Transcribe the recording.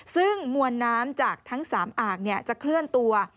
ซึ่งมวลน้ำจากทั้ง๓อ่างจะเคลื่อนตัว